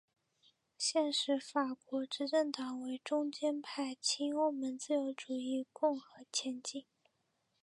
现时法国执政党为中间派亲欧盟自由主义共和前进！